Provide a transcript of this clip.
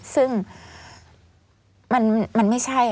ซึ่งมันไม่ใช่